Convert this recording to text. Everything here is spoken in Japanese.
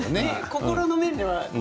心の面では？